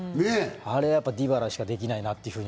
あれはディバラしかできないなって。